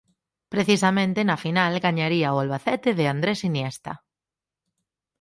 Precisamente na final gañaría ao Albacete de Andrés Iniesta.